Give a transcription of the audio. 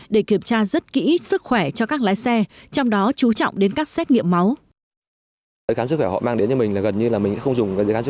để kiểm tra rất kỹ sức khỏe cho các lái xe trong đó chú trọng đến các xét nghiệm máu